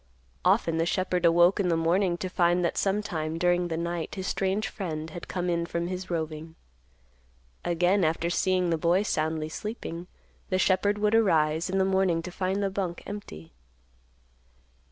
Often the shepherd awoke in the morning to find that some time during the night his strange friend had come in from his roving. Again, after seeing the boy soundly sleeping, the shepherd would arise in the morning to find the bunk empty.